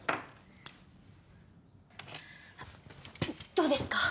どうですか？